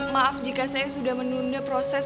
maaf jika saya sudah menunda proses